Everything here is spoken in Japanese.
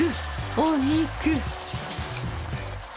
お肉！